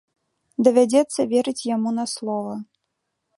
Давядзецца верыць яму на слова.